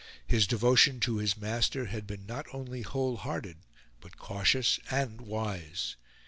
His devotion to his master had been not only whole hearted but cautious and wise.